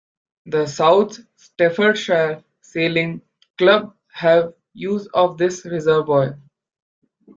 The South Staffordshire Sailing club have use of this reservoir.